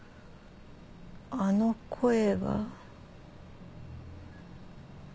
あの声は。